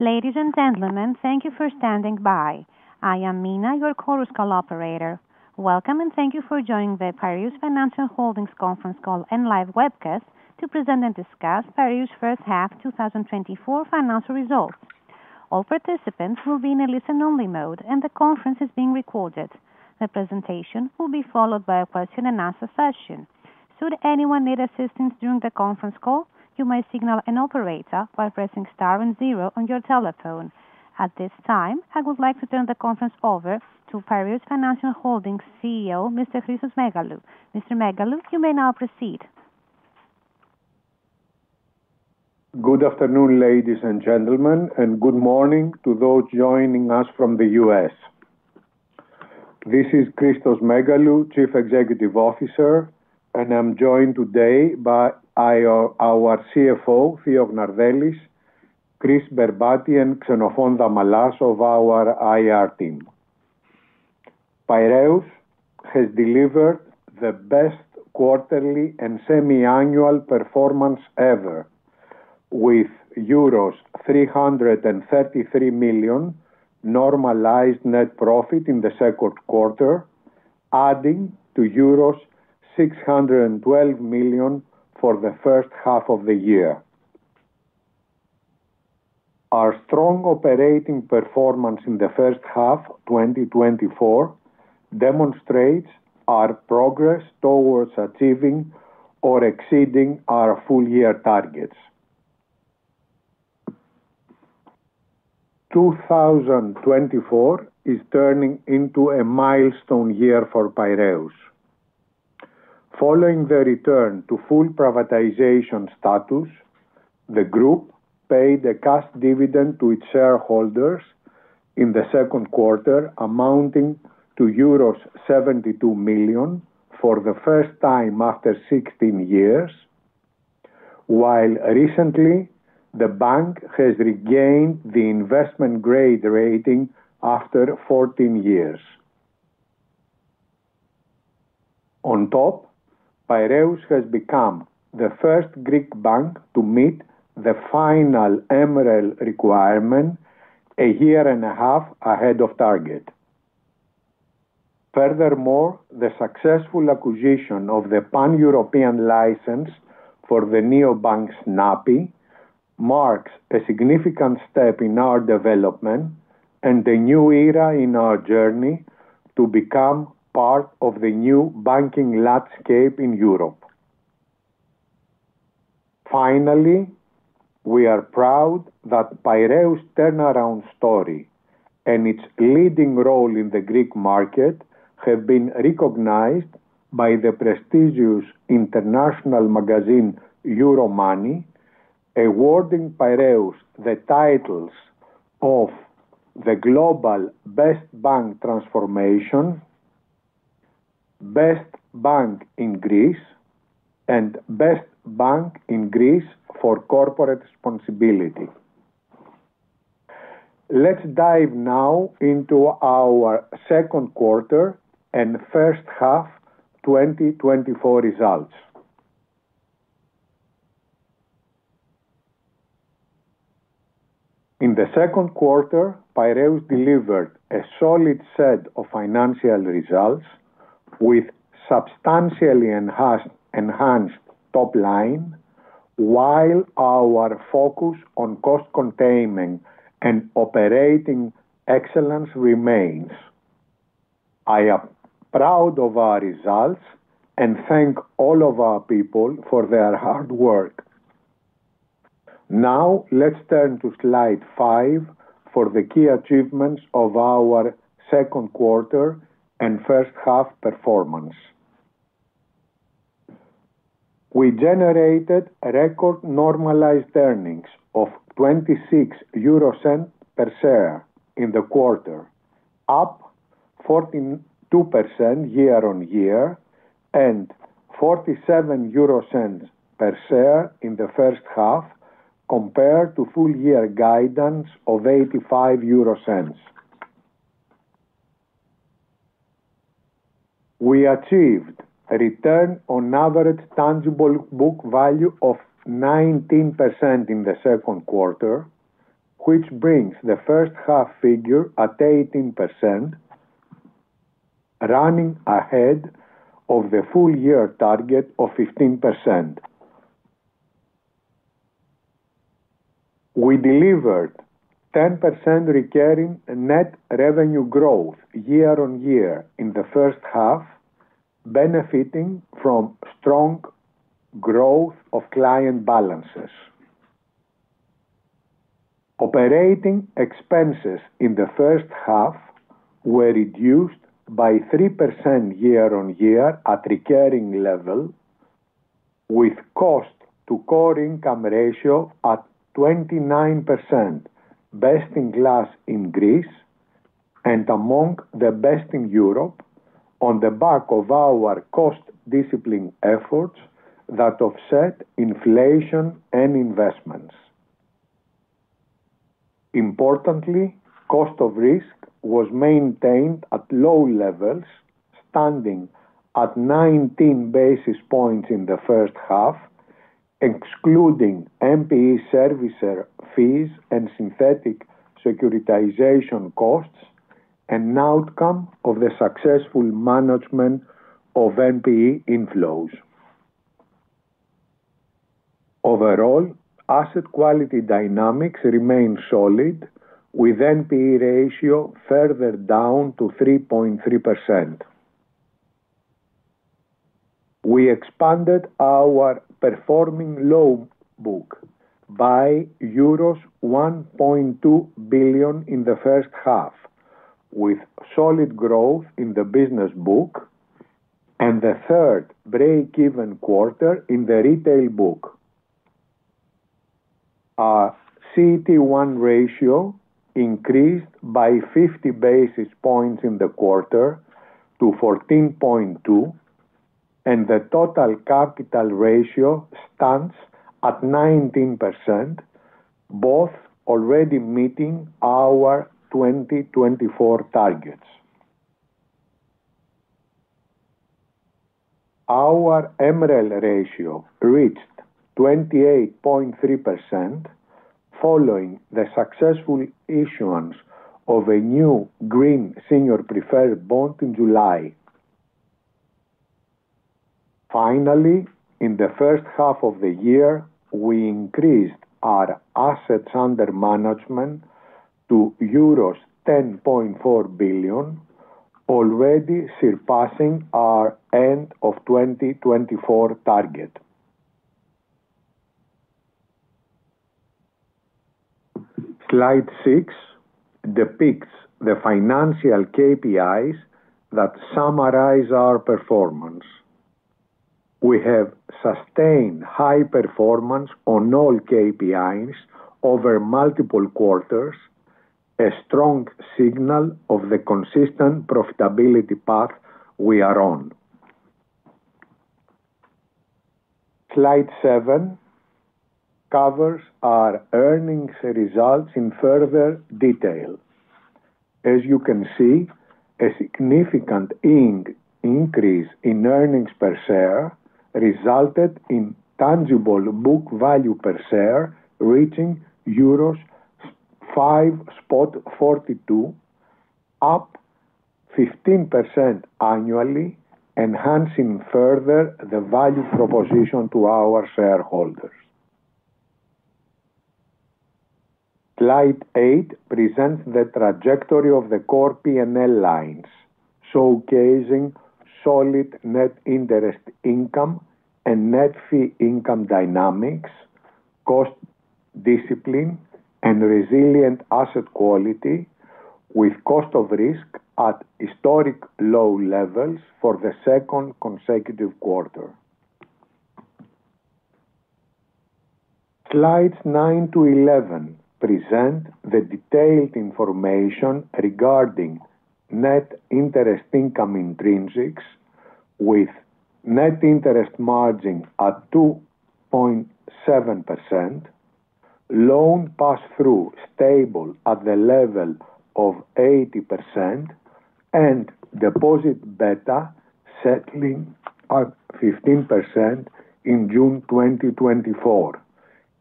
Ladies, and gentlemen, thank you for standing by. I am Mina, your Chorus Call Operator. Welcome, and thank you for joining the Piraeus Financial Holdings Conference Call and Live Webcast to Present and Discuss Piraeus First Half 2024 Financial Results. All participants will be in a listen-only mode, and the conference is being recorded. The presentation will be followed by a question and answer session. Should anyone need assistance during the conference call, you may signal an operator by pressing star and zero on your telephone. At this time, I would like to turn the conference over to Piraeus Financial Holdings CEO, Mr. Christos Megalou. Mr. Megalou, you may now proceed. Good afternoon, ladies, and gentlemen, and good morning to those joining us from the U.S. This is Christos Megalou, Chief Executive Officer, and I'm joined today by our CFO, Theodore Gnardellis, Chrysanthi Berbati, and Xenophon Damalas of our IR team. Piraeus has delivered the best quarterly and semi-annual performance ever, with euros 333 million normalized net profit in the second quarter, adding to euros 612 million for the first half of the year. Our strong operating performance in the first half, 2024, demonstrates our progress towards achieving or exceeding our full year targets. 2024 is turning into a milestone year for Piraeus. Following the return to full privatization status, the group paid a cash dividend to its shareholders in the second quarter, amounting to euros 72 million for the first time after 16 years, while recently, the bank has regained the investment grade rating after 14 years. On top, Piraeus has become the first Greek bank to meet the final MREL requirement, a year and a half ahead of target. Furthermore, the successful acquisition of the Pan-European license for the neobank Snappi marks a significant step in our development and a new era in our journey to become part of the new banking landscape in Europe. Finally, we are proud that Piraeus turnaround story and its leading role in the Greek market have been recognized by the prestigious international magazine, Euromoney, awarding Piraeus the titles of the Global Best Bank Transformation, Best Bank in Greece, and Best Bank in Greece for Corporate Responsibility. Let's dive now into our second quarter and first half 2024 results. In the second quarter, Piraeus delivered a solid set of financial results with substantially enhanced, enhanced top line, while our focus on cost containment and operating excellence remains. I am proud of our results and thank all of our people for their hard work. Now, let's turn to slide five for the key achievements of our second quarter and first half performance. We generated a record normalized earnings of 0.26 per share in the quarter, up 42% year-on-year, and 0.47 per share in the first half, compared to full year guidance of 0.85. We achieved a return on average tangible book value of 19% in the second quarter, which brings the first half figure at 18%, running ahead of the full year target of 15%. We delivered 10% recurring net revenue growth year-on-year in the first half, benefiting from strong growth of client balances. Operating expenses in the first half were reduced by 3% year-on-year at recurring level, with cost to core income ratio at 29%, best in class in Greece and among the best in Europe on the back of our cost discipline efforts that offset inflation and investments. Importantly, cost of risk was maintained at low levels, standing at 19 basis points in the first half, excluding NPE servicer fees and synthetic securitization costs, an outcome of the successful management of NPE inflows. Overall, asset quality dynamics remain solid, with NPE ratio further down to 3.3%. We expanded our performing loan book by euros 1.2 billion in the first half, with solid growth in the business book and the third breakeven quarter in the retail book. Our CET1 ratio increased by 50 basis points in the quarter to 14.2, and the total capital ratio stands at 19%, both already meeting our 2024 targets. Our MREL ratio reached 28.3%, following the successful issuance of a new green senior preferred bond in July. Finally, in the first half of the year, we increased our assets under management to euros 10.4 billion, already surpassing our end of 2024 target. Slide six depicts the financial KPIs that summarize our performance. We have sustained high performance on all KPIs over multiple quarters, a strong signal of the consistent profitability path we are on. Slide seven covers our earnings results in further detail. As you can see, a significant increase in earnings per share resulted in tangible book value per share, reaching euros 5.42, up 15% annually, enhancing further the value proposition to our shareholders. Slide eight presents the trajectory of the core PNL lines, showcasing solid net interest income and net fee income dynamics, cost discipline, and resilient asset quality, with cost of risk at historic low levels for the second consecutive quarter. Slides nine to 11 present the detailed information regarding net interest income intrinsics, with net interest margin at 2.7%, loan pass-through stable at the level of 80%, and deposit beta settling at 15% in June 2024,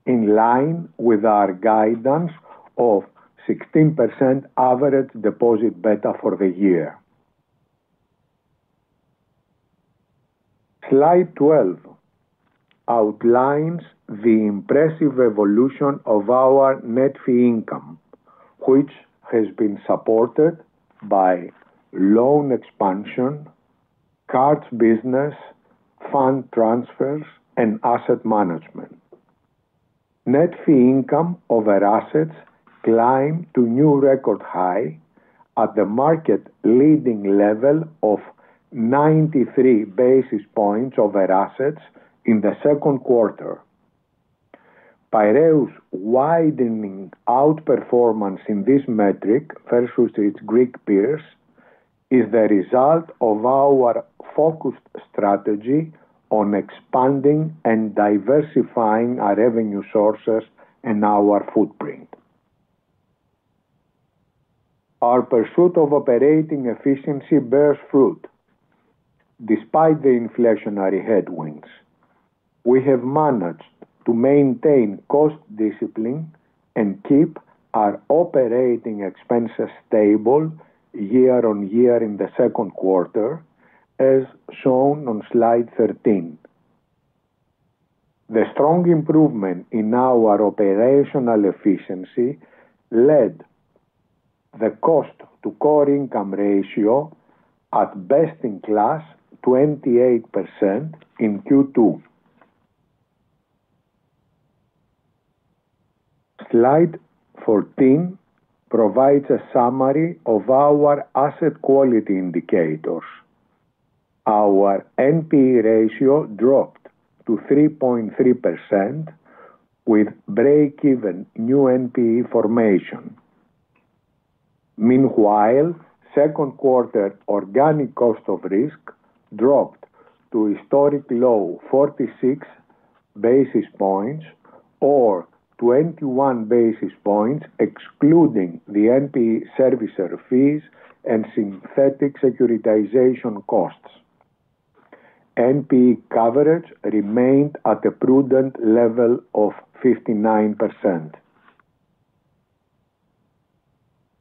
in line with our guidance of 16% average deposit beta for the year. Slide 12 outlines the impressive evolution of our net fee income, which has been supported by loan expansion, cards business, fund transfers, and asset management. Net fee income of our assets climb to new record high at the market leading level of 93 basis points of our assets in the second quarter. Piraeus widening outperformance in this metric versus its Greek peers is the result of our focused strategy on expanding and diversifying our revenue sources and our footprint. Our pursuit of operating efficiency bears fruit. Despite the inflationary headwinds, we have managed to maintain cost discipline and keep our operating expenses stable year-on-year in the second quarter, as shown on Slide 13. The strong improvement in our operational efficiency led the cost to core income ratio at best in class, 28% in Q2. Slide 14 provides a summary of our asset quality indicators. Our NPE ratio dropped to 3.3%, with breakeven new NPE formation. Meanwhile, second quarter organic cost of risk dropped to a historic low, 46 basis points.... basis points or 21 basis points, excluding the NPE servicer fees and synthetic securitization costs. NPE coverage remained at a prudent level of 59%.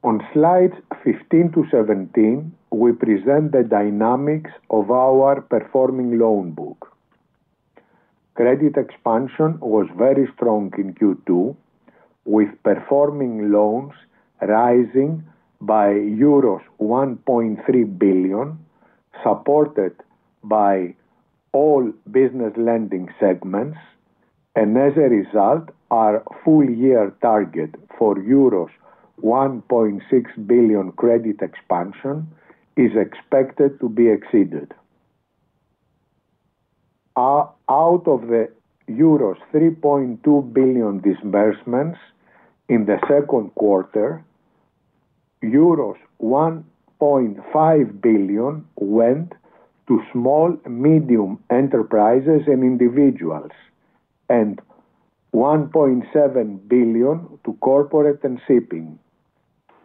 On slides 15-17, we present the dynamics of our performing loan book. Credit expansion was very strong in Q2, with performing loans rising by euros 1.3 billion, supported by all business lending segments, and as a result, our full year target for euros 1.6 billion credit expansion is expected to be exceeded. Out of the euros 3.2 billion disbursements in the second quarter, euros 1.5 billion went to small, medium enterprises and individuals, and 1.7 billion to corporate and shipping.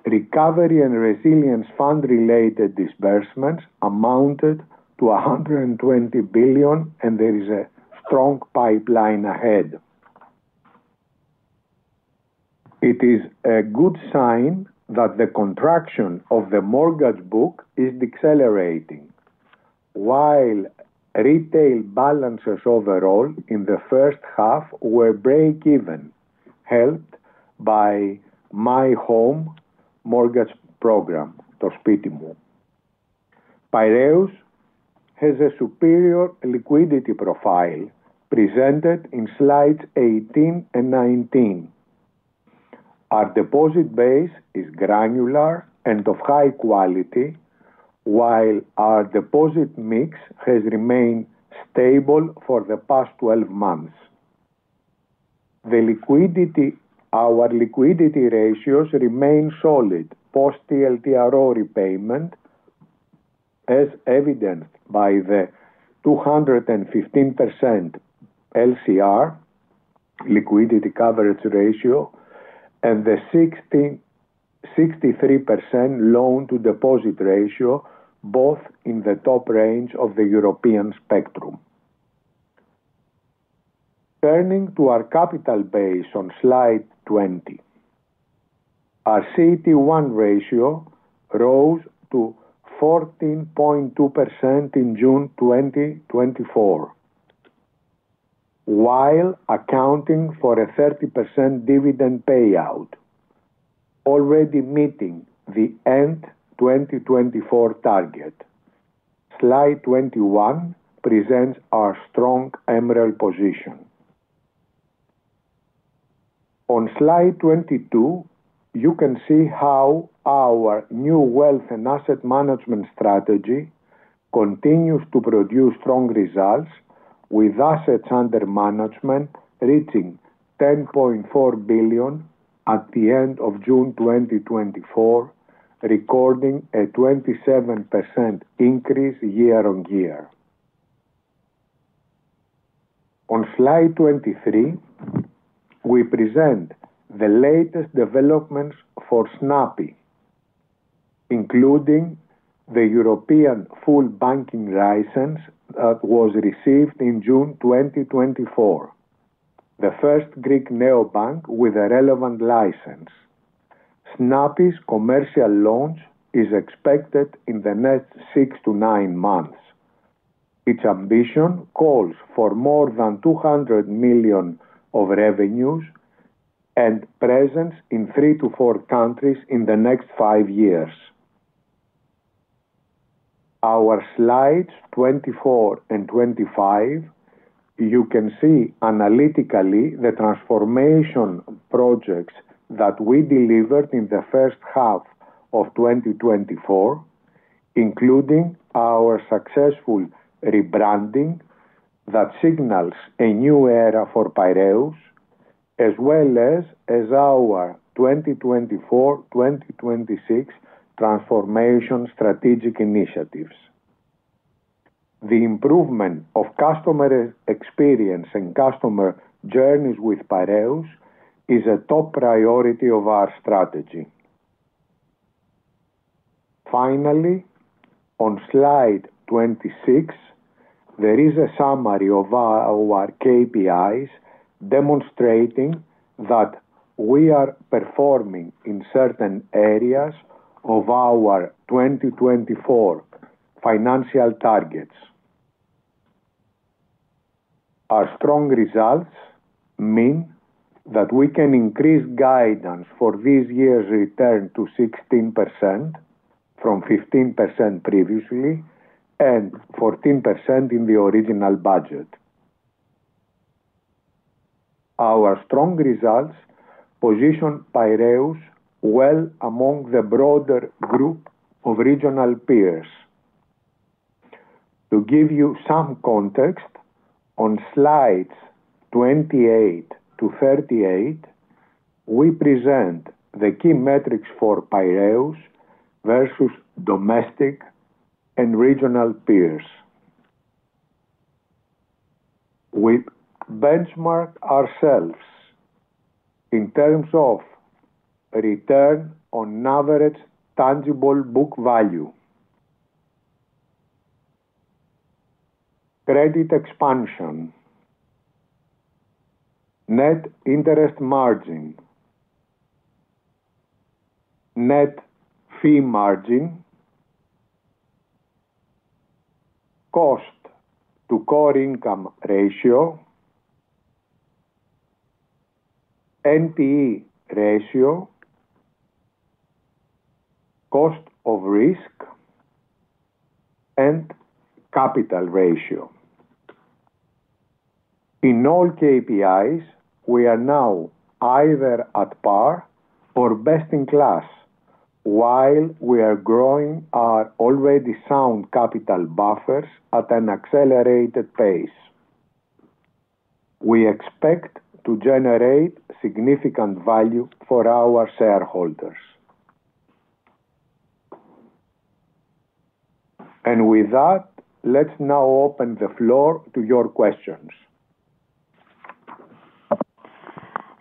Recovery and Resilience Fund-related disbursements amounted to 120 million, and there is a strong pipeline ahead. It is a good sign that the contraction of the mortgage book is accelerating, while retail balances overall in the first half were breakeven, helped by My Home mortgage program, To Spiti Mou. Piraeus has a superior liquidity profile presented in slides 18-19. Our deposit base is granular and of high quality, while our deposit mix has remained stable for the past 12 months. Our liquidity ratios remain solid, post TLTRO repayment, as evidenced by the 215% LCR, liquidity coverage ratio, and the 63% loan to deposit ratio, both in the top range of the European spectrum. Turning to our capital base on slide 20. Our CET1 ratio rose to 14.2% in June 2024, while accounting for a 30% dividend payout, already meeting the end 2024 target. Slide 21 presents our strong MREL position. On slide 22, you can see how our new wealth and asset management strategy continues to produce strong results, with assets under management reaching 10.4 billion at the end of June 2024, recording a 27% increase year-on-year. On slide 23, we present the latest developments for Snappi, including the European full banking license that was received in June 2024, the first Greek neobank with a relevant license. Snappi's commercial launch is expected in the next six to nine months. Its ambition calls for more than 200 million of revenues and presence in three to four countries in the next five years. Our slides 24 and 25, you can see analytically the transformation projects that we delivered in the first half of 2024, including our successful rebranding, that signals a new era for Piraeus, as well as our 2024/2026 transformation strategic initiatives. The improvement of customer experience and customer journeys with Piraeus is a top priority of our strategy. Finally, on slide 26, there is a summary of our KPIs, demonstrating that we are performing in certain areas of our 2024 financial targets. Our strong results mean that we can increase guidance for this year's return to 16% from 15% previously, and 14% in the original budget. Our strong results position Piraeus well among the broader group of regional peers. To give you some context, on slides 28-38,... We present the key metrics for Piraeus versus domestic and regional peers. We benchmark ourselves in terms of return on average tangible book value, credit expansion, net interest margin, net fee margin, cost to core income ratio, NPE ratio, cost of risk, and capital ratio. In all KPIs, we are now either at par or best in class, while we are growing our already sound capital buffers at an accelerated pace. We expect to generate significant value for our shareholders. With that, let's now open the floor to your questions.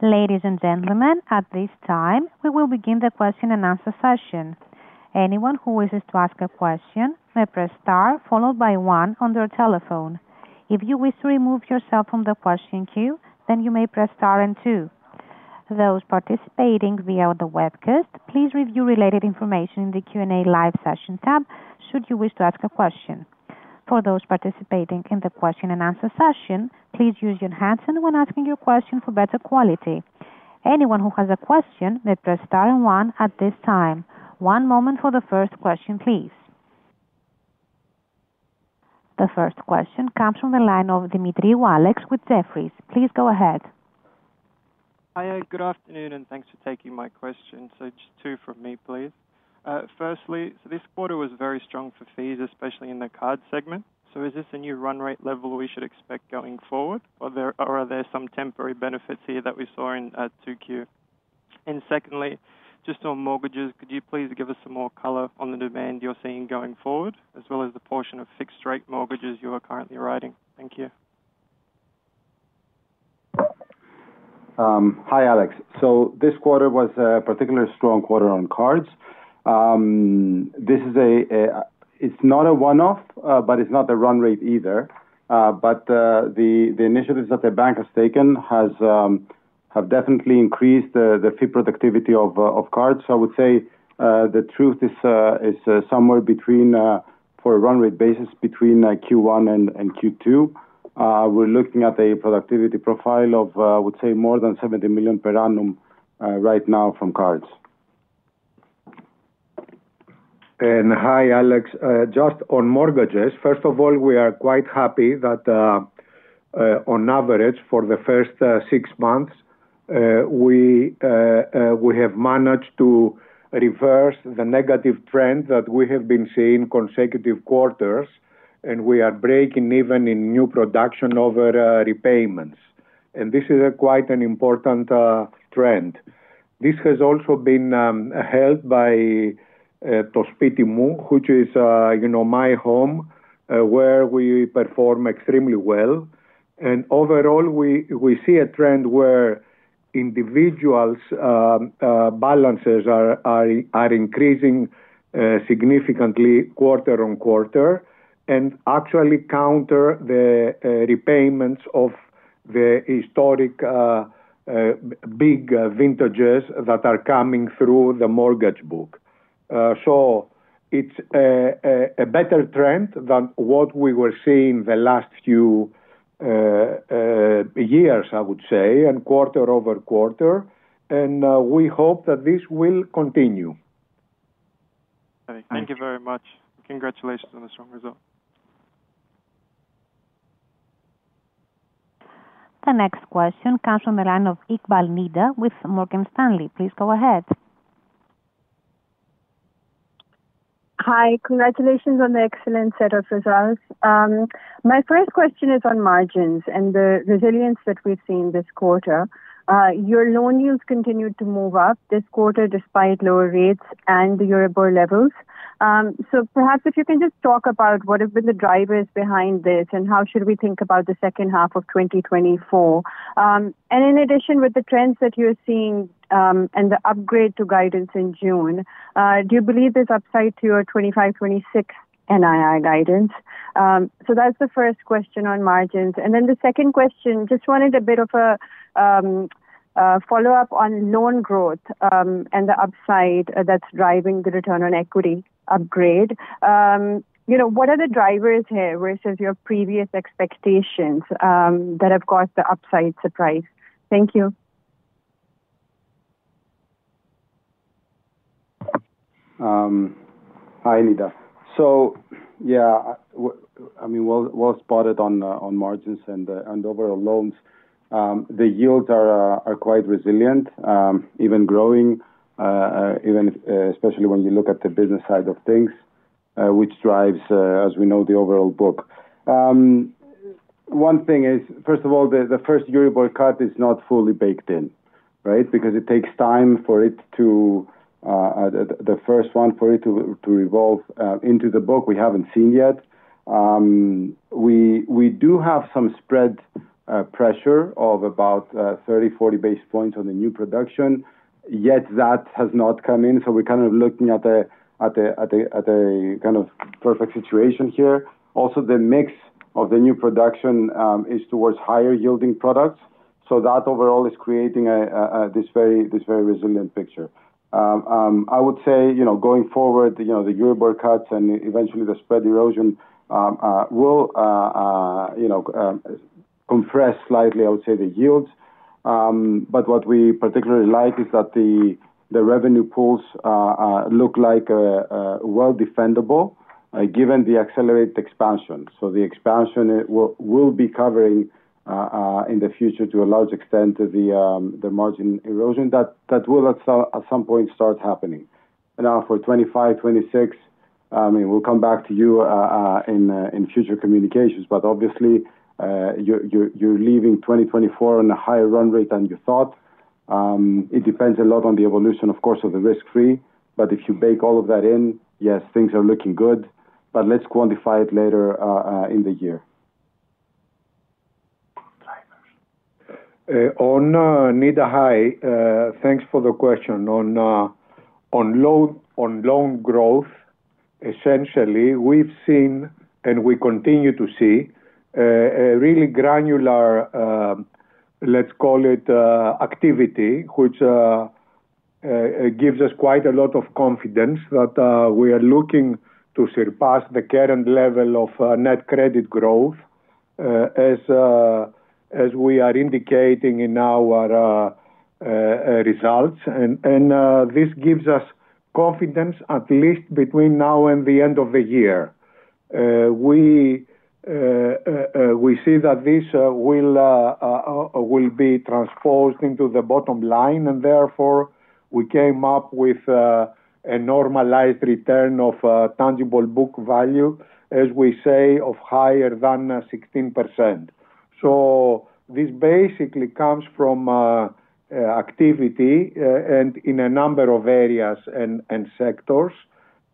Ladies, and gentlemen, at this time, we will begin the question and answer session. Anyone who wishes to ask a question may press star, followed by one on their telephone. If you wish to remove yourself from the question queue, then you may press star and two. Those participating via the webcast, please review related information in the Q&A live session tab, should you wish to ask a question. For those participating in the question and answer session, please use your handset when asking your question for better quality. Anyone who has a question, may press star and one at this time. One moment for the first question, please. The first question comes from the line of Alex Demetriou with Jefferies. Please go ahead. Hi, good afternoon, and thanks for taking my question. Just two from me, please. Firstly, this quarter was very strong for fees, especially in the card segment. So is this a new run rate level we should expect going forward, or there, or are there some temporary benefits here that we saw in 2Q? And secondly, just on mortgages, could you please give us some more color on the demand you're seeing going forward, as well as the portion of fixed rate mortgages you are currently writing? Thank you. Hi, Alex. So this quarter was a particularly strong quarter on cards. This is, it's not a one-off, but it's not a run rate either. But the initiatives that the bank has taken have definitely increased the fee productivity of cards. So I would say, the truth is somewhere between, for a run rate basis between Q1 and Q2. We're looking at a productivity profile of, I would say more than 70 million per annum, right now from cards. And hi, Alex, just on mortgages. First of all, we are quite happy that, on average, for the first six months, we have managed to reverse the negative trend that we have been seeing consecutive quarters, and we are breaking even in new production over repayments. And this is quite an important trend. This has also been helped by To Spiti Mou, which is, you know, my home, where we perform extremely well. And overall, we see a trend where individuals' balances are increasing significantly quarter on quarter, and actually counter the repayments of the historic big vintages that are coming through the mortgage book. So it's a better trend than what we were seeing the last few years, I would say, and quarter over quarter, and we hope that this will continue. Thank you very much. Congratulations on the strong result. The next question comes from the line of Nida Iqbal with Morgan Stanley. Please go ahead. Hi, congratulations on the excellent set of results. My first question is on margins and the resilience that we've seen this quarter. Your loan yields continued to move up this quarter, despite lower rates and the Euribor levels. So perhaps if you can just talk about what have been the drivers behind this, and how should we think about the second half of 2024? And in addition, with the trends that you're seeing, and the upgrade to guidance in June, do you believe there's upside to your 25, 26 NII guidance? So that's the first question on margins. And then the second question, just wanted a bit of a, a follow-up on loan growth, and the upside that's driving the return on equity upgrade. You know, what are the drivers here versus your previous expectations, that have caused the upside surprise? Thank you. Hi, Nida. So, yeah, I mean, well, well spotted on margins and overall loans. The yields are quite resilient, even growing, even if, especially when you look at the business side of things, which drives, as we know, the overall book. ...One thing is, first of all, the first Euribor cut is not fully baked in, right? Because it takes time for it to the first one for it to evolve into the book we haven't seen yet. We do have some spread pressure of about 30-40 basis points on the new production, yet that has not come in, so we're kind of looking at the kind of perfect situation here. Also, the mix of the new production is towards higher yielding products, so that overall is creating this very resilient picture. I would say, you know, going forward, you know, the Euribor cuts and eventually the spread erosion will compress slightly, I would say, the yields. But what we particularly like is that the revenue pools look like well defendable, given the accelerated expansion. So the expansion it will be covering in the future to a large extent the margin erosion that will at some point start happening. Now for 2025, 2026, we'll come back to you in future communications, but obviously you're leaving 2024 on a higher run rate than you thought. It depends a lot on the evolution, of course, of the risk-free, but if you bake all of that in, yes, things are looking good, but let's quantify it later in the year. On Nida, thanks for the question. On loan growth, essentially, we've seen, and we continue to see, a really granular, let's call it, activity, which gives us quite a lot of confidence that we are looking to surpass the current level of net credit growth, as we are indicating in our results. This gives us confidence at least between now and the end of the year. We see that this will be transposed into the bottom line, and therefore, we came up with a normalized return of tangible book value, as we say, of higher than 16%. So this basically comes from activity and in a number of areas and sectors,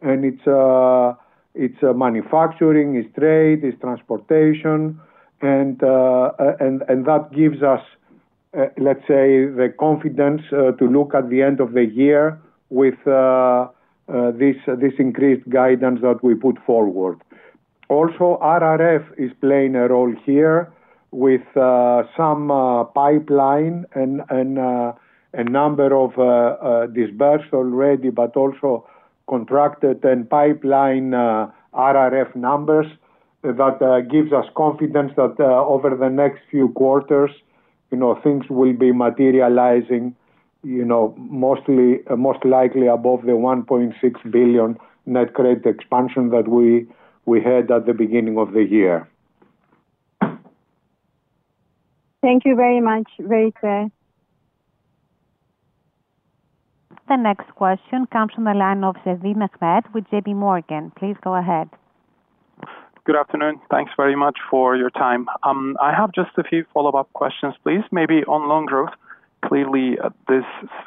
and it's manufacturing, it's trade, it's transportation, and that gives us, let's say, the confidence to look at the end of the year with this increased guidance that we put forward. Also, RRF is playing a role here with some pipeline and a number of dispersed already, but also contracted and pipeline RRF numbers. That gives us confidence that over the next few quarters, you know, things will be materializing, you know, mostly, most likely above the 1.6 billion net credit expansion that we had at the beginning of the year. Thank you very much, very clear. The next question comes from the line of Mehmet Sevim with JPMorgan. Please go ahead. Good afternoon. Thanks very much for your time. I have just a few follow-up questions, please. Maybe on loan growth, clearly, this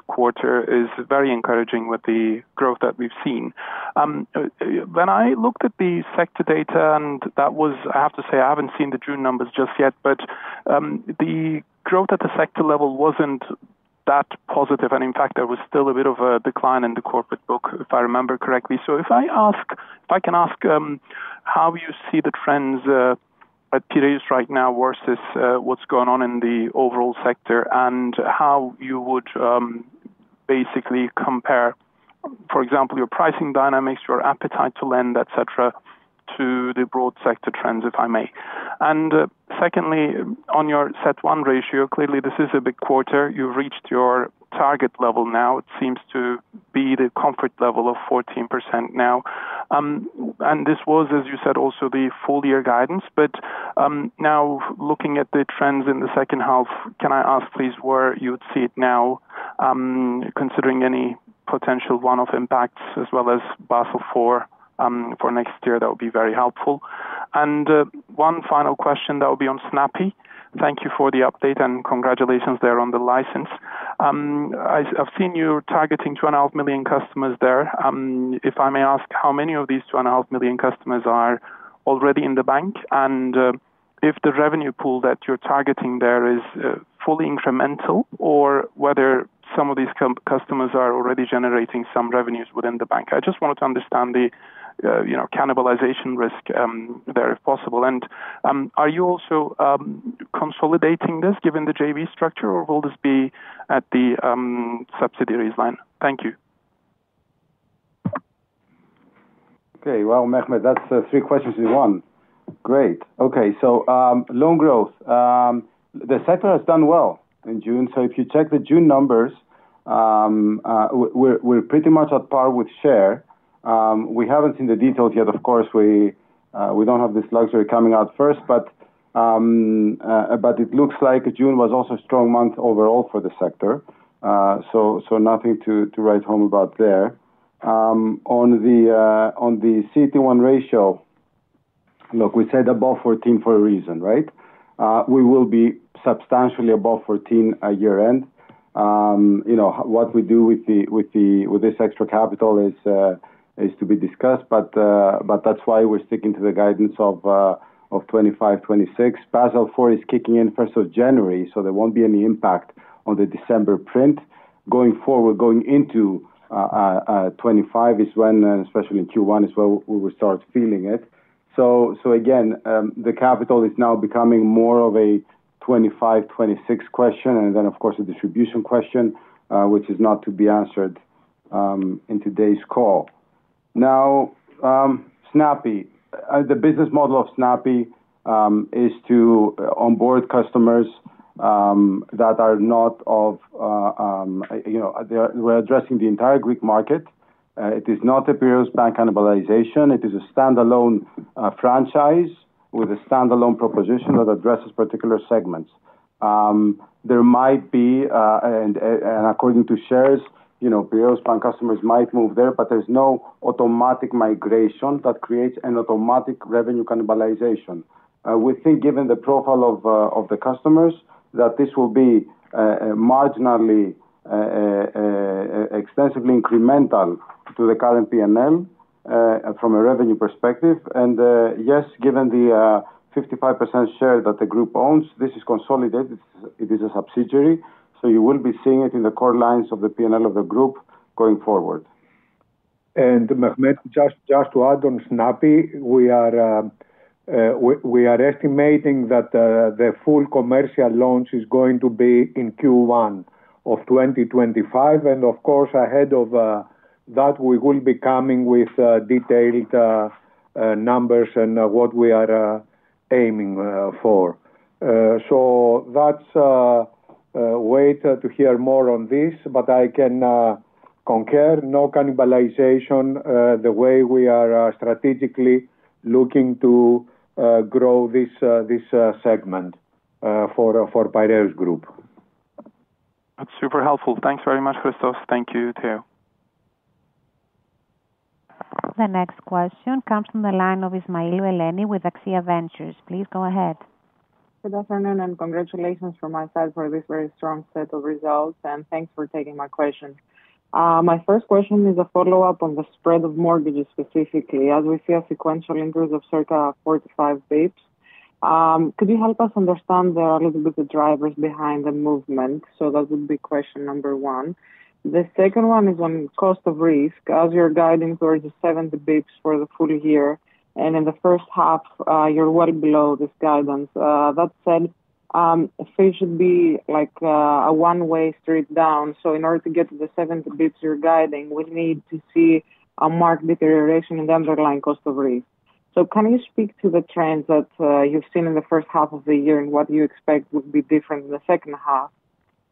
quarter is very encouraging with the growth that we've seen. When I looked at the sector data, I have to say, I haven't seen the June numbers just yet, but, the growth at the sector level wasn't that positive, and in fact, there was still a bit of a decline in the corporate book, if I remember correctly. So if I ask, if I can ask, how you see the trends, at today's right now, versus, what's going on in the overall sector? And how you would, basically compare, for example, your pricing dynamics, your appetite to lend, et cetera, to the broad sector trends, if I may? Secondly, on your CET1 ratio, clearly this is a big quarter. You've reached your target level now. It seems to be the comfort level of 14% now. And this was, as you said, also the full year guidance. But now, looking at the trends in the second half, can I ask, please, where you would see it now, considering any potential one-off impacts as well as Basel IV, for next year? That would be very helpful. And one final question that will be on Snappi. Thank you for the update, and congratulations there on the license. I've seen you targeting 2.5 million customers there. If I may ask, how many of these 2.5 million customers are already in the bank? If the revenue pool that you're targeting there is fully incremental, or whether some of these customers are already generating some revenues within the bank. I just wanted to understand the you know cannibalization risk there, if possible. Are you also consolidating this given the JV structure, or will this be at the subsidiaries line? Thank you. Okay, well, Mehmet, that's three questions in one. Great. Okay, so loan growth. The sector has done well in June, so if you check the June numbers, we're pretty much on par with share. We haven't seen the details yet, of course, we don't have this luxury coming out first, but it looks like June was also a strong month overall for the sector. So nothing to write home about there.... On the CET1 ratio, look, we said above 14 for a reason, right? We will be substantially above 14 at year-end. You know, what we do with this extra capital is to be discussed, but that's why we're sticking to the guidance of 25-26. Basel IV is kicking in first of January, so there won't be any impact on the December print. Going forward, going into 25 is when, especially in Q1, is where we will start feeling it. So, again, the capital is now becoming more of a 25, 26 question, and then of course, a distribution question, which is not to be answered, in today's call. Now, Snappi. The business model of Snappi is to onboard customers that are not of, you know, they are – we're addressing the entire Greek market. It is not a Piraeus Bank cannibalization. It is a standalone franchise with a standalone proposition that addresses particular segments. There might be, and according to shares, you know, Piraeus Bank customers might move there, but there's no automatic migration that creates an automatic revenue cannibalization. We think given the profile of, of the customers, that this will be, marginally, extensively incremental to the current PNL, from a revenue perspective. And, yes, given the, 55% share that the group owns, this is consolidated, it is a subsidiary, so you will be seeing it in the core lines of the PNL of the group going forward. And Mehmet, just to add on Snappi, we are estimating that the full commercial launch is going to be in Q1 of 2025, and of course, ahead of that, we will be coming with detailed numbers and what we are aiming for. So that's a way to hear more on this, but I can concur, no cannibalization, the way we are strategically looking to grow this segment for Piraeus Group. That's super helpful. Thanks very much, Christos. Thank you, Theo. The next question comes from the line of Eleni Ismailou with Axia Ventures. Please go ahead. Good afternoon, and congratulations from my side for this very strong set of results, and thanks for taking my question. My first question is a follow-up on the spread of mortgages, specifically. As we see a sequential increase of circa 45 basis points, could you help us understand a little bit the drivers behind the movement? So that would be question number one. The second one is on cost of risk. As your guidance was 70 basis points for the full year, and in the first half, you're well below this guidance. That said, it should be like a one-way street down. So in order to get to the 70 basis points you're guiding, we need to see a marked deterioration in the underlying cost of risk. So can you speak to the trends that you've seen in the first half of the year, and what you expect would be different in the second half?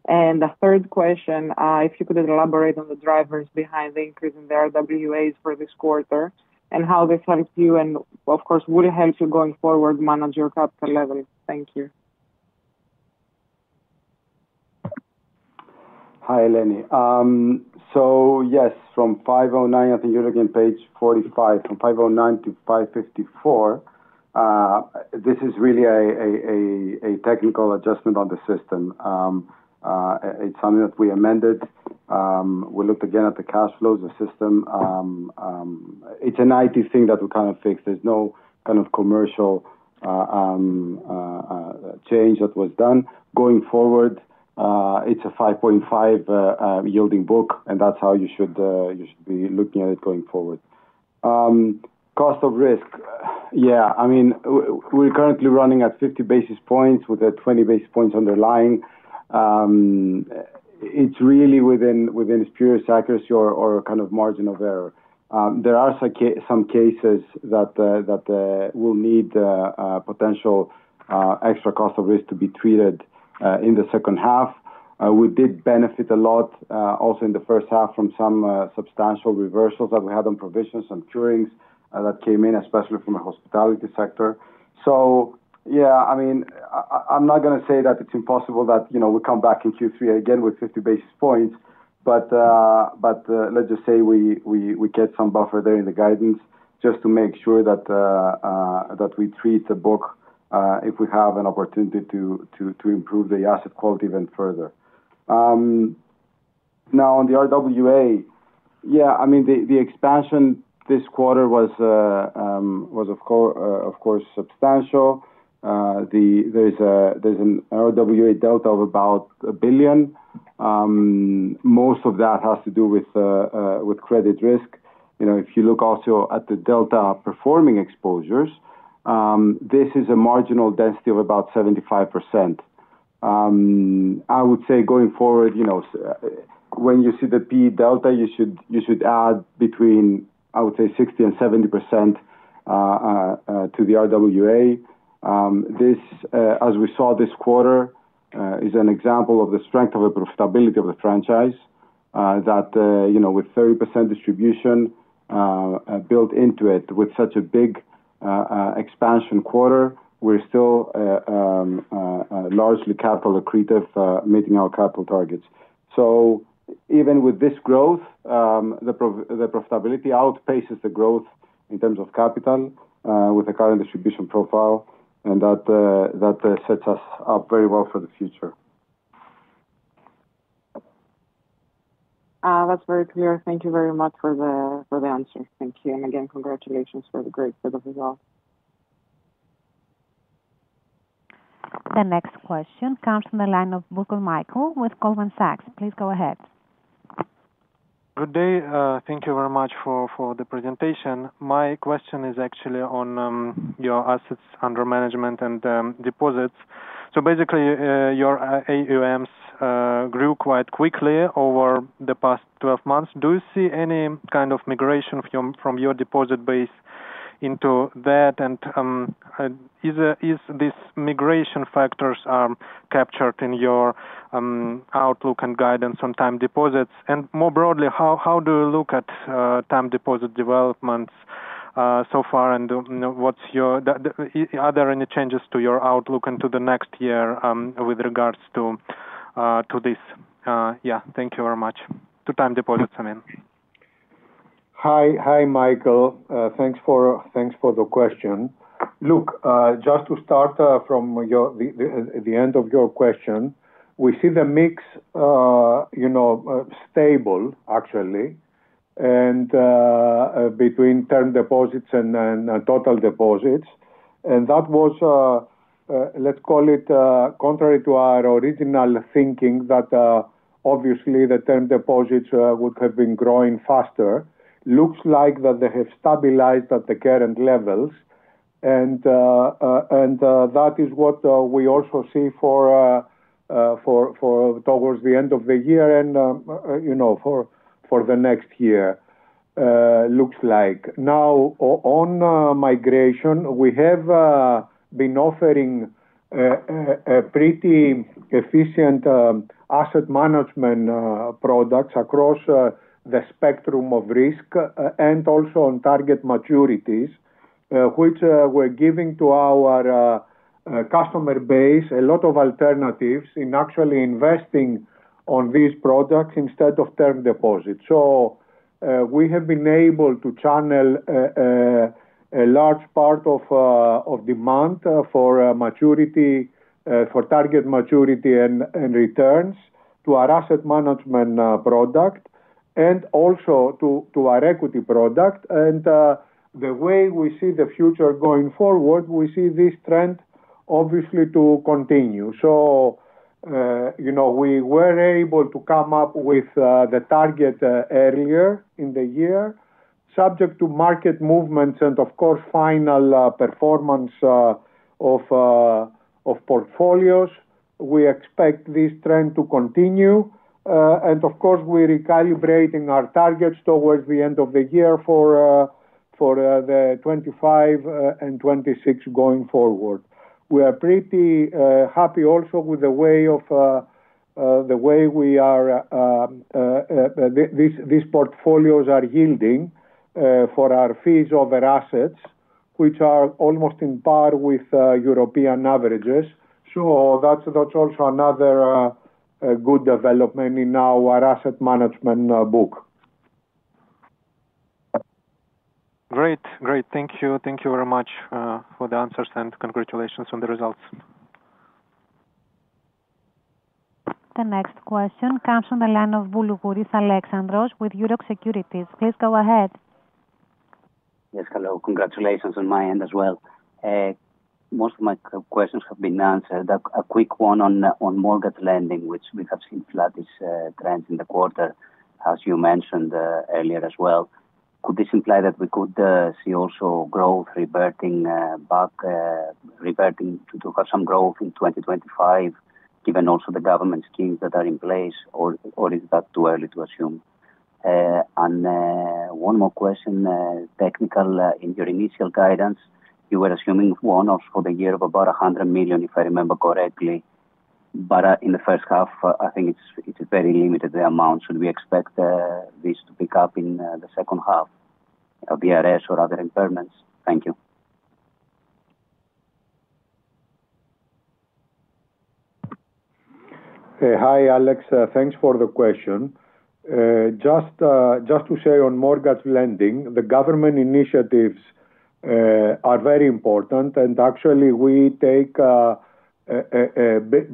And the third question, if you could elaborate on the drivers behind the increase in the RWAs for this quarter, and how this helps you, and of course, would it help you, going forward, manage your capital level? Thank you. Hi, Eleni. So yes, from 509, I think you're again, page 45, from 509-554, this is really a technical adjustment on the system. It's something that we amended. We looked again at the cash flows, the system. It's an IT thing that we kind of fixed. There's no kind of commercial change that was done. Going forward, it's a 5.5 yielding book, and that's how you should be looking at it going forward. Cost of risk. Yeah, I mean, we're currently running at 50 basis points with a 20 basis points underlying. It's really within spurious accuracy or kind of margin of error. There are some cases that will need a potential extra cost of risk to be treated in the second half. We did benefit a lot also in the first half, from some substantial reversals that we had on provisions, some curings that came in, especially from the hospitality sector. So yeah, I mean, I'm not going to say that it's impossible that, you know, we come back in Q3 again with 50 basis points, but let's just say we get some buffer there in the guidance just to make sure that we treat the book if we have an opportunity to improve the asset quality even further. Now on the RWA, yeah, I mean, the expansion this quarter was of course substantial. There's an RWA delta of about 1 billion. Most of that has to do with credit risk. You know, if you look also at the delta performing exposures, this is a marginal density of about 75%. I would say going forward, you know, when you see the P delta, you should add between, I would say, 60%-70% to the RWA. This as we saw this quarter is an example of the strength of the profitability of the franchise that you know, with 30% distribution built into it, with such a big...... expansion quarter, we're still largely capital accretive, meeting our capital targets. So even with this growth, the profitability outpaces the growth in terms of capital, with the current distribution profile, and that sets us up very well for the future. That's very clear. Thank you very much for the, for the answer. Thank you, and again, congratulations for the great set of results. The next question comes from the line of Mikhail Butkov with Goldman Sachs. Please go ahead. Good day, thank you very much for the presentation. My question is actually on your assets under management and deposits. So basically, your AUMs grew quite quickly over the past 12 months. Do you see any kind of migration from your deposit base into that? And is this migration factors captured in your outlook and guidance on time deposits? And more broadly, how do you look at time deposit developments so far? And what's your outlook, are there any changes to your outlook into the next year with regards to this? Yeah, thank you very much. To time deposits, I mean. Hi, hi, Mikhail. Thanks for the question. Look, just to start, from the end of your question, we see the mix, you know, stable actually, and between term deposits and total deposits. And that was, let's call it, contrary to our original thinking, that obviously the term deposits would have been growing faster. Looks like that they have stabilized at the current levels, and that is what we also see for towards the end of the year and, you know, for the next year, looks like. Now, on migration, we have been offering a pretty efficient asset management products across the spectrum of risk, and also on target maturities, which we're giving to our customer base a lot of alternatives in actually investing on these products instead of term deposits. So, we have been able to channel a large part of demand for target maturity and returns to our asset management product, and also to our equity product. And, the way we see the future going forward, we see this trend obviously to continue. So, you know, we were able to come up with the target earlier in the year, subject to market movements and of course, final performance of portfolios. We expect this trend to continue. And of course, we're calibrating our targets towards the end of the year for the 2025 and 2026 going forward. We are pretty happy also with the way we are, these portfolios are yielding for our fees over assets, which are almost on par with European averages. So that's also another good development in our asset management book. Great. Great. Thank you. Thank you very much for the answers, and congratulations on the results. The next question comes from the line of Alexandros Boulougouris with Euroxx Securities. Please go ahead. Yes, hello, congratulations on my end as well. Most of my questions have been answered. A quick one on mortgage lending, which we have seen flattish trends in the quarter, as you mentioned earlier as well. Could this imply that we could see also growth reverting back to have some growth in 2025, given also the government schemes that are in place, or is that too early to assume? And one more question, technical. In your initial guidance, you were assuming one-offs for the year of about 100 million, if I remember correctly. But in the first half, I think it's very limited, the amount. Should we expect this to pick up in the second half, VRS or other impairments? Thank you. Hi, Alex. Thanks for the question. Just to say on mortgage lending, the government initiatives are very important, and actually we take a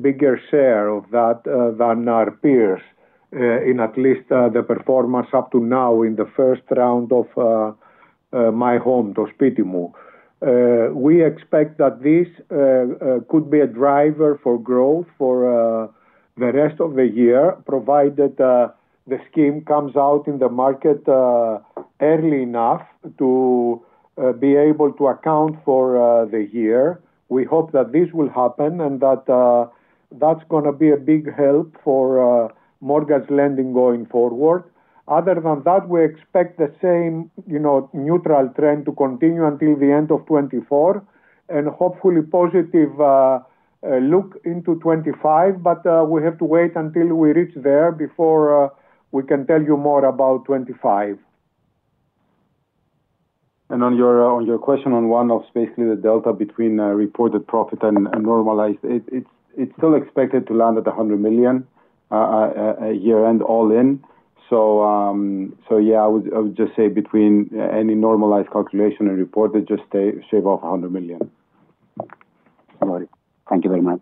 bigger share of that than our peers in at least the performance up to now in the first round of My Home, To Spiti Mou. We expect that this could be a driver for growth for the rest of the year, provided the scheme comes out in the market early enough to be able to account for the year. We hope that this will happen and that that's gonna be a big help for mortgage lending going forward. Other than that, we expect the same, you know, neutral trend to continue until the end of 2024.... and hopefully positive look into 2025, but we have to wait until we reach there before we can tell you more about 2025. And on your question, on one of basically the delta between reported profit and normalized, it's still expected to land at 100 million at year-end, all in. So yeah, I would just say between any normalized calculation and reported, just shave off 100 million. All right. Thank you very much.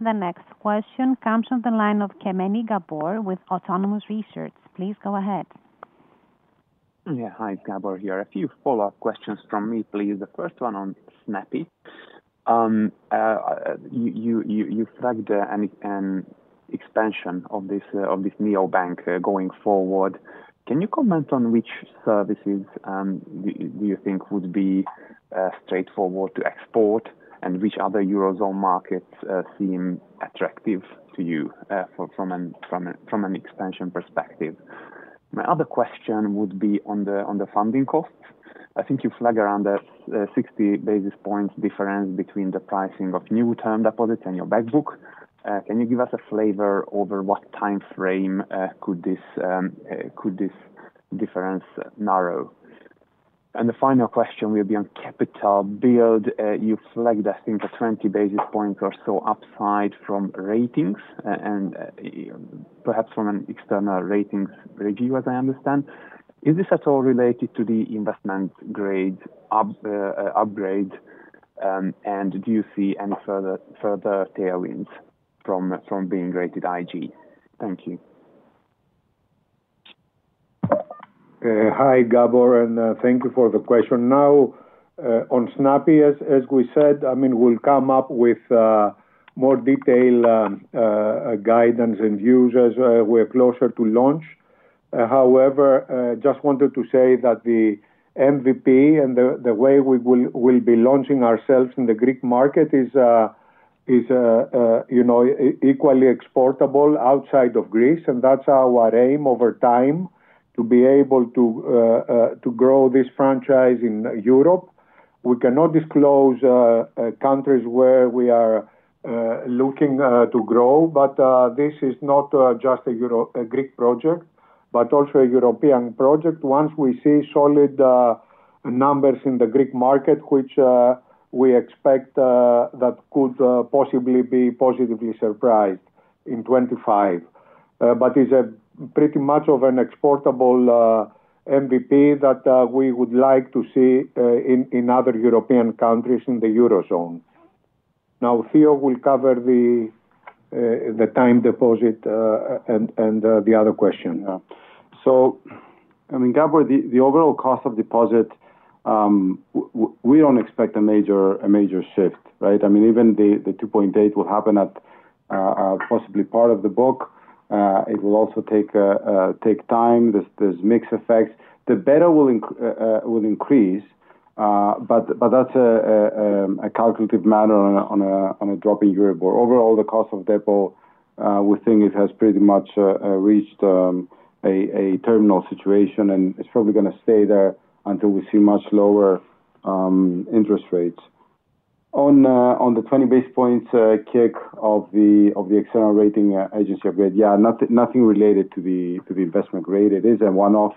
The next question comes from the line of Gabor Kemeny with Autonomous Research. Please go ahead. Yeah. Hi, Gabor here. A few follow-up questions from me, please. The first one on Snappi. You flagged an expansion of this neobank going forward. Can you comment on which services do you think would be straightforward to export and which other Eurozone markets seem attractive to you from an expansion perspective? My other question would be on the funding costs. I think you flag around the 60 basis points difference between the pricing of new term deposits and your back book. Can you give us a flavor over what time frame could this difference narrow? And the final question will be on capital build. You flagged, I think, a 20 basis points or so upside from ratings, and perhaps from an external ratings review, as I understand. Is this at all related to the investment grade upgrade, and do you see any further tailwinds from being rated IG? Thank you. Hi, Gabor, and thank you for the question. Now, on Snappi, as we said, I mean, we'll come up with more detailed guidance and views as we're closer to launch. However, just wanted to say that the MVP and the way we will be launching ourselves in the Greek market is, you know, equally exportable outside of Greece, and that's our aim over time, to be able to grow this franchise in Europe. We cannot disclose countries where we are looking to grow, but this is not just a European Greek project, but also a European project. Once we see solid numbers in the Greek market, which we expect that could possibly be positively surprised in 2025. But it's a pretty much of an exportable MVP that we would like to see in other European countries in the Eurozone. Now, Theo will cover the time deposit and the other question. So, I mean, Gabor, the overall cost of deposit, we don't expect a major shift, right? I mean, even the 2.8 will happen at possibly part of the book. It will also take time. There's mix effects. The beta will increase, but that's a calculative matter on a dropping Euro. But overall, the cost of deposit, we think it has pretty much reached a terminal situation, and it's probably going to stay there until we see much lower interest rates. On the 20 basis points kick from the external rating agency upgrade, yeah, nothing related to the investment grade. It is a one-off,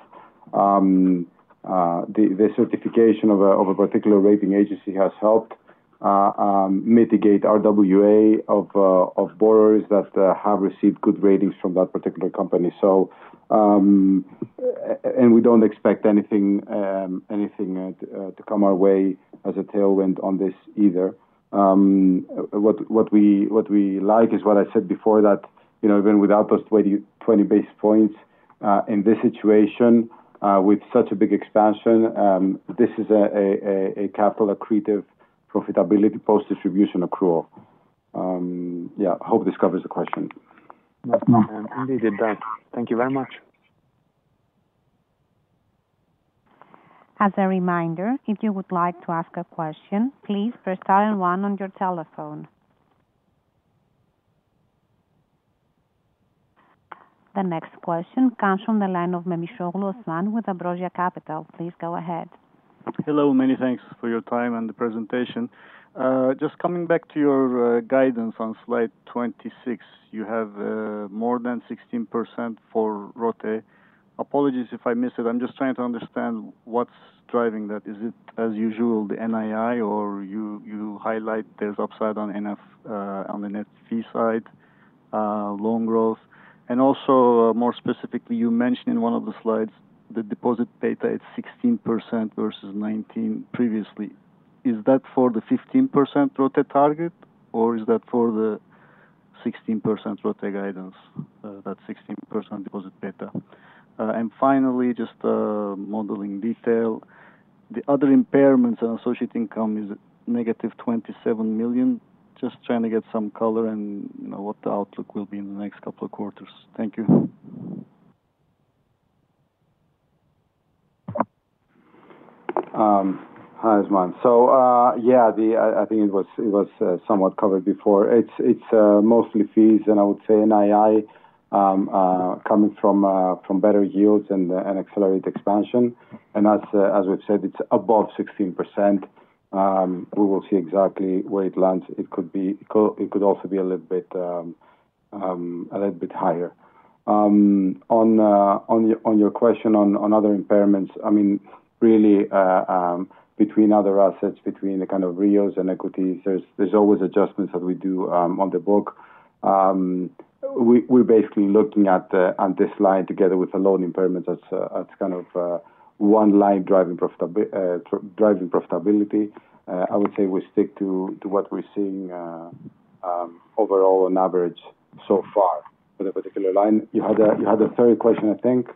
the certification of a particular rating agency has helped mitigate RWA of borrowers that have received good ratings from that particular company. So, and we don't expect anything to come our way as a tailwind on this either. What we like is what I said before, that, you know, even without those 20, 20 basis points, in this situation, with such a big expansion, this is a capital accretive profitability post distribution accrual. Yeah, I hope this covers the question. Yeah. Indeed, it does. Thank you very much. As a reminder, if you would like to ask a question, please press star and one on your telephone. The next question comes from the line of Osman Memisoglu with Ambrosia Capital. Please go ahead. Hello, many thanks for your time and the presentation. Just coming back to your guidance on slide 26, you have more than 16% for ROTE. Apologies if I missed it. I'm just trying to understand what's driving that. Is it, as usual, the NII or you highlight there's upside on the net fee side, loan growth? And also, more specifically, you mentioned in one of the slides the deposit beta is 16% versus 19% previously. Is that for the 15% ROTE target, or is that for the 16% ROTE guidance, that 16% deposit beta? And finally, just modeling detail. The other impairments on associated income is negative 27 million. Just trying to get some color on what the outlook will be in the next couple of quarters. Thank you.... Hi, Osman. So, yeah, the, I think it was, it was, somewhat covered before. It's, it's, mostly fees, and I would say NII, coming from, from better yields and, and accelerate expansion. And as, as we've said, it's above 16%. We will see exactly where it lands. It could be, it could also be a little bit, a little bit higher. On, on your, on your question on, on other impairments, I mean, really, between other assets, between the kind of REOs and equities, there's, there's always adjustments that we do, on the book. We, we're basically looking at, at this line together with the loan impairments as, as kind of, one line driving profitability. I would say we stick to, to what we're seeing, overall on average so far for the particular line. You had a, you had a third question, I think?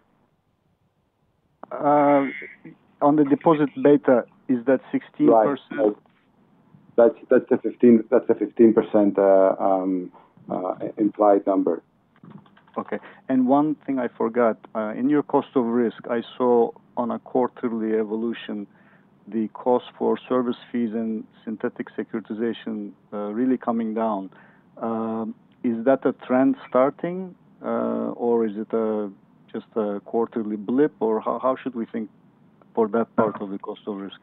On the deposit data, is that 16%? Right. That's the 15% implied number. Okay. And one thing I forgot, in your cost of risk, I saw on a quarterly evolution, the cost for service fees and synthetic securitization, really coming down. Is that a trend starting, or is it a, just a quarterly blip? Or how, how should we think for that part of the cost of risk?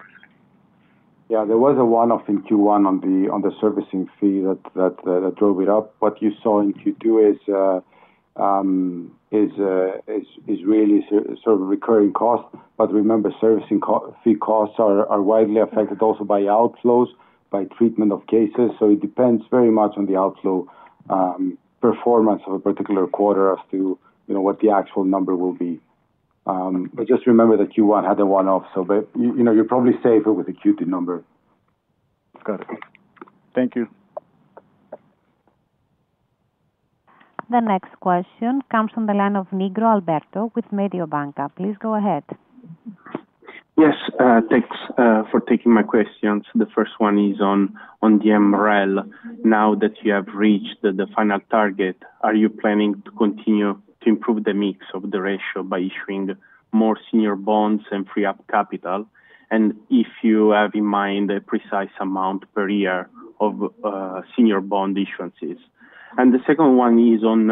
Yeah, there was a one-off in Q1 on the servicing fee that drove it up. What you saw in Q2 is really sort of a recurring cost. But remember, servicing fee costs are widely affected also by outflows, by treatment of cases, so it depends very much on the outflow performance of a particular quarter as to, you know, what the actual number will be. But just remember that Q1 had a one-off, you know, you're probably safer with the Q2 number. Got it. Thank you. The next question comes from the line of Alberto Nigro with Mediobanca. Please go ahead. Yes, thanks for taking my questions. The first one is on the MREL. Now that you have reached the final target, are you planning to continue to improve the mix of the ratio by issuing more senior bonds and free up capital? And if you have in mind a precise amount per year of senior bond issuances. And the second one is on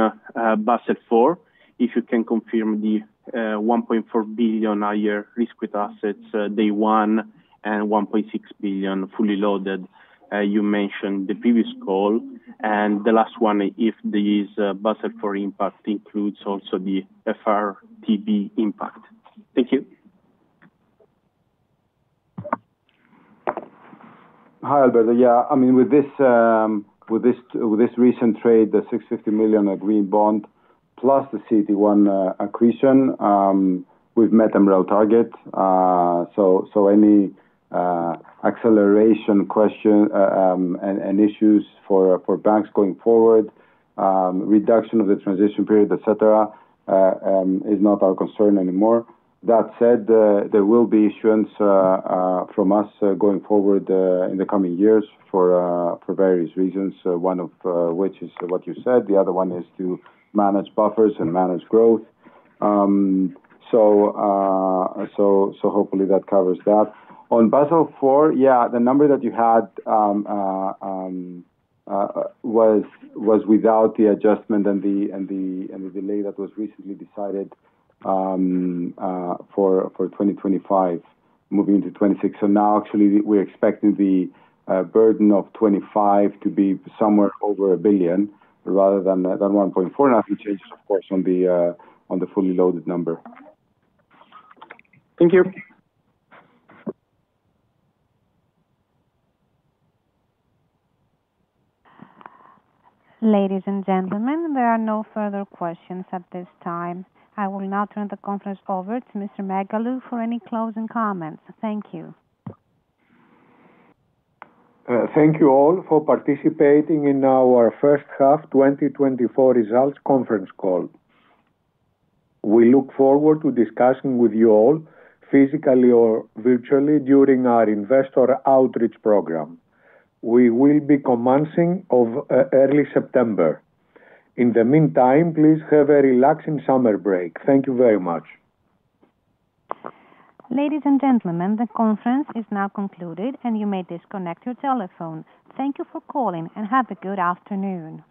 Basel IV, if you can confirm the 1.4 billion a year risk-weighted assets day one, and 1.6 billion fully loaded, you mentioned the previous call. And the last one, if these Basel IV impact includes also the FRTB impact. Thank you. Hi, Alberto. Yeah, I mean, with this recent trade, the 650 million of green bond plus the CET1 accretion, we've met MREL target. So any acceleration question and issues for banks going forward, reduction of the transition period, et cetera, is not our concern anymore. That said, there will be issuance from us going forward in the coming years for various reasons, one of which is what you said, the other one is to manage buffers and manage growth. So hopefully that covers that. On Basel IV, yeah, the number that you had was without the adjustment and the delay that was recently decided for 2025, moving into 2026. So now actually, we're expecting the burden of 2025 to be somewhere over 1 billion rather than 1.4 billion, and that changes, of course, on the fully loaded number. Thank you! Ladies, and gentlemen, there are no further questions at this time. I will now turn the conference over to Mr. Megalou for any closing comments. Thank you. Thank you all for participating in our first half 2024 Results Conference Call. We look forward to discussing with you all, physically or virtually, during our investor outreach program. We will be commencing of early September. In the meantime, please have a relaxing summer break. Thank you very much. Ladies, and gentlemen, the conference is now concluded, and you may disconnect your telephone. Thank you for calling, and have a good afternoon.